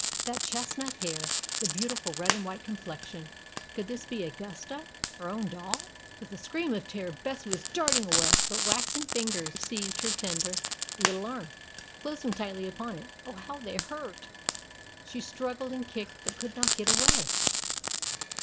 That chestnut hair, that beautiful red and white complexion could this be Augusta, her own doll? With a scream of terror, Bessie was darting away, but waxen fingers seized her tender little arm, closing tightly upon it. Oh, how they hurt! She struggled and kicked, but could not get away.